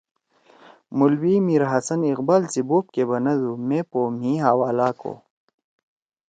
مولوی میرحسن اقبال سی بوپ کے بنَدُو مے پو مھی حوالہ کو